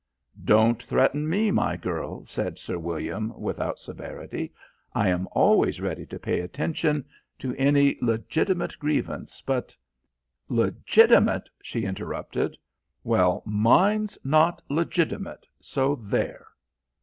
"Don't threaten me, my girl," said Sir William without severity. "I am always ready to pay attention to any legitimate grievance, but " "Legitimate?" she interrupted. "Well, mine's not legitimate. So there!"